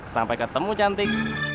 sampai ketemu cantik